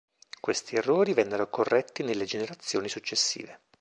Questi errori vennero corretti nelle generazioni successive.